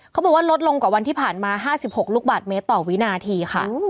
เขาบอกว่าลดลงกว่าวันที่ผ่านมา๕๖ลูกบาทเมตรต่อวินาทีค่ะ